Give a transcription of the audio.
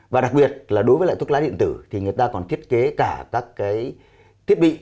và đặc biệt là đối với lại thuốc lá điện tử thì người ta còn thiết kế cả các cái thiết bị